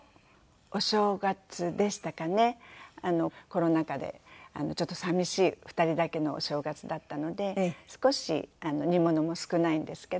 コロナ禍でちょっと寂しい２人だけのお正月だったので少し煮物も少ないんですけど。